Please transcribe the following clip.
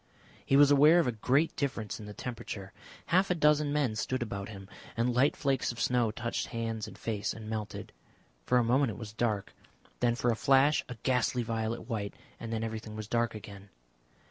He was aware of a great difference in the temperature. Half a dozen men stood about him, and light flakes of snow touched hands and face and melted. For a moment it was dark, then for a flash a ghastly violet white, and then everything was dark again.